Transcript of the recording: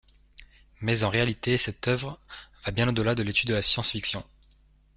Mais en réalité cette œuvre va bien au-delà de l’étude de la science-fiction.